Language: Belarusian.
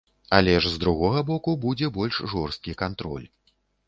Але ж з другога боку, будзе больш жорсткі кантроль.